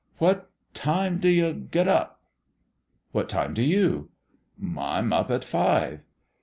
" What time d' you get up ?''" What time d' you ?"" I'm up at five."